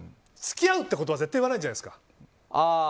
付き合うってことは絶対言わないじゃないですか。